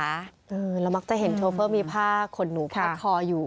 เรามักจะเห็นโชเฟอร์มีผ้าขนหนูพัดคออยู่